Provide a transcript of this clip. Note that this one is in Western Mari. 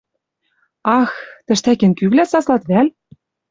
«Ах, тӹштӓкен кӱвлӓ саслат вӓл?»